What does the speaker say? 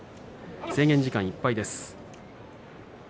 制限時間いっぱいです。